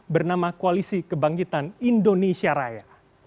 bernama koalisi kebangkitan indonesia raya